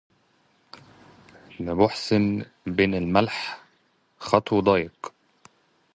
لمحسن بن الملح خطو ضيق